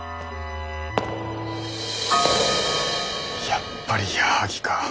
やっぱり矢作か。